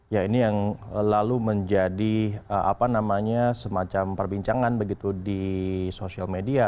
ya ini yang lalu menjadi apa namanya semacam perbincangan begitu di sosial media